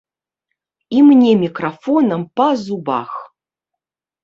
І мне мікрафонам па зубах.